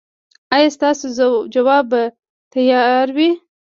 ایا ستاسو ځواب به تیار وي؟